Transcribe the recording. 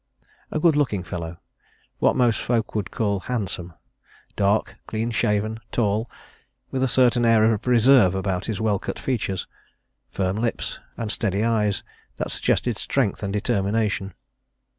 A good looking fellow; what most folk would call handsome; dark, clean shaven, tall, with a certain air of reserve about his well cut features, firm lips, and steady eyes that suggested strength and determination.